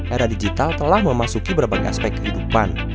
era digital telah memasuki berbagai aspek kehidupan